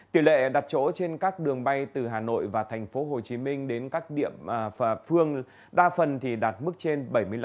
tỷ lệ đặt chỗ trên các đường bay từ hà nội và tp hcm đến các địa phương đa phần đạt mức trên bảy mươi năm